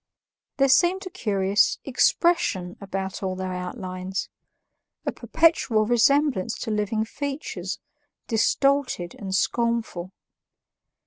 There seemed a curious EXPRESSION about all their outlines a perpetual resemblance to living features, distorted and scornful.